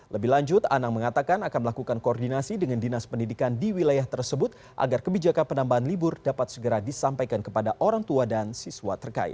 lebih lanjut anang mengatakan akan melakukan koordinasi dengan dinas pendidikan di wilayah tersebut agar kebijakan penambahan libur dapat segera disampaikan kepada orang tua dan siswa terkait